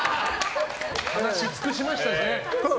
話し尽くしましたよね。